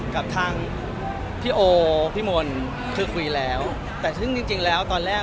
มันเป็นการซื้อลิขสินหรืออะไรอย่างไรอะ